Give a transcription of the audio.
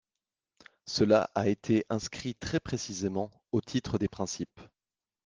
Cela a été inscrit très précisément au titre des principes.